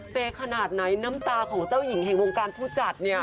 ขนาดไหนน้ำตาของเจ้าหญิงแห่งวงการผู้จัดเนี่ย